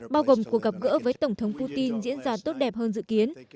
bao gồm cuộc gặp gỡ với tổng thống putin diễn ra tốt đẹp hơn dự kiến